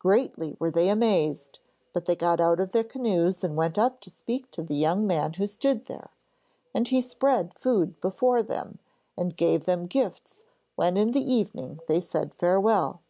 Greatly were they amazed, but they got out of their canoes and went up to speak to the young man who stood there, and he spread food before them, and gave them gifts when in the evening they said farewell.